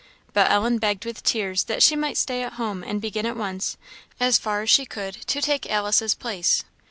But Ellen begged with tears that she might stay at home and begin at once, as far as she could, to take Alice's place.